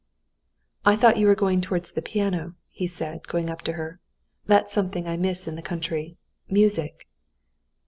"I thought you were going towards the piano," said he, going up to her. "That's something I miss in the country—music."